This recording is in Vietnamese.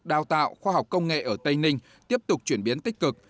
đào tạo khoa học công nghệ ở tây ninh tiếp tục chuyển biến tích cực